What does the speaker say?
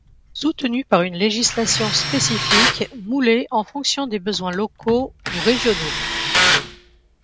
Soutenu par une législation spécifique moulé en fonction des besoins locaux ou régionaux.